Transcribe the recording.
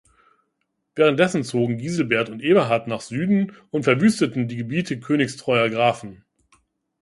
Währenddessen zogen Giselbert und Eberhard nach Süden und verwüsteten die Gebiete königstreuer Grafen.